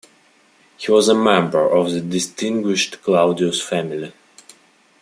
He was a member of the distinguished Claudius family.